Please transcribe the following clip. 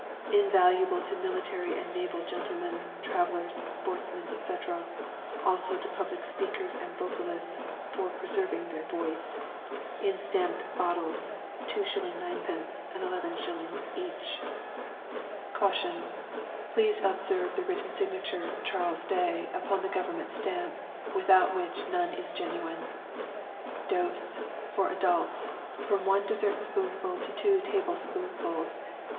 Invaluable to Military and Naval Gentlemen, Travellers, Sportsmen, &c., also to Public Speakers and Vocalists for preserving the Voice. In stamped Bottles, 2_s._ 9_d._ and 11_s._ each. CAUTION.ŌĆöPlease to observe the written Signature (CHARLES DAY), upon the Government Stamp, without which none is genuine. DOSE.ŌĆöFor Adults, from one dessert spoonful to two table spoonfuls.